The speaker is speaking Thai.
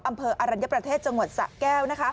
อำเภออรัญญประเทศจังหวัดสะแก้ว